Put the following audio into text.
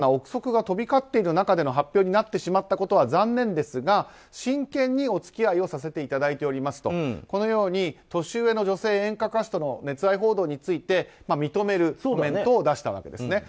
さまざまな憶測が飛び交っている中での発表になってしまったことは残念ですが真剣にお付き合いをさせていただいておりますとこのように年上の女性演歌歌手との熱愛報道に対して認めるコメントを出したわけです。